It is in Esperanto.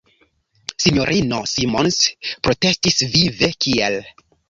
S-ino Simons protestis vive: "Kiel!"